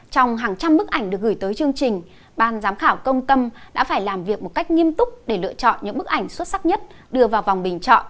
trong hàng trăm bức ảnh được gửi tới chương trình ban giám khảo công tâm đã phải làm việc một cách nghiêm túc để lựa chọn những bức ảnh xuất sắc nhất đưa vào vòng bình chọn